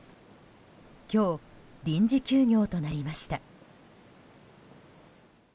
今日、臨時休業となりました。